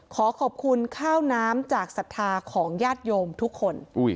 ขอขอบคุณข้าวน้ำจากศรัทธาของญาติโยมทุกคน